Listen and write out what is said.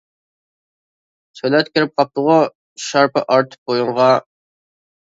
سۆلەت كىرىپ قاپتىغۇ، شارپا ئارتىپ بويۇنغا.